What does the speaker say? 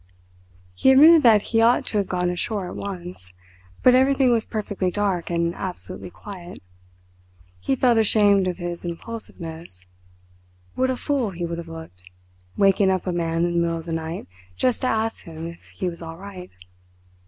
He admitted that he ought to have gone ashore at once; but everything was perfectly dark and absolutely quiet. He felt ashamed of his impulsiveness. What a fool he would have looked, waking up a man in the middle of the night just to ask him if he was all right!